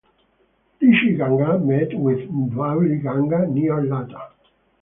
Rishi Ganga met with Dhauli Ganga near lata.